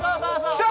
◆来た！